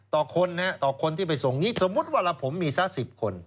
ต่อคนนะต่อคนที่ไปส่งสมมุติว่าละผมมีซะสิบคน